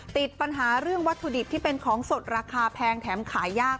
ติดปัญหาเรื่องวัตถุดิบที่เป็นของสดราคาแพงแถมขายยาก